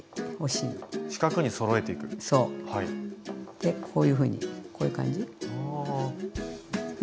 でこういうふうにこういう感じ。はあ。ね？